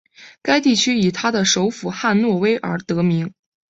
该地区以它的首府汉诺威而得名。